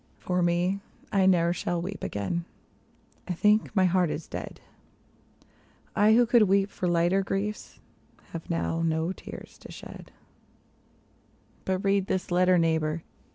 For me, I ne'er shall weep again. I think my heart is dead ; I, who could weep for lighter griefs, have now no tears to shed But read this letter, neighbor.